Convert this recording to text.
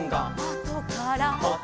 「あとから」